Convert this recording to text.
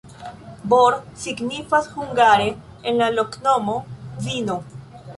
Bor signifas hungare en la loknomo: vino.